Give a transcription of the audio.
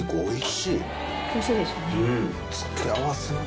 おいしいですよね。